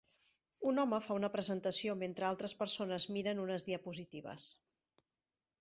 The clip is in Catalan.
Un home fa una presentació mentre altres persones miren unes diapositives